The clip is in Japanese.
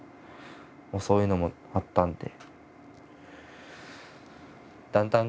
そういうのもあったんで。